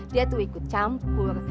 dia tuh ikut campur